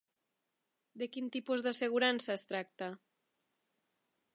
De quin tipus d'assegurança es tracta?